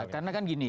karena kan gini